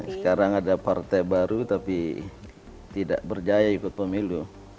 sekarang ada partai baru tapi tidak berjaya ikut pemilu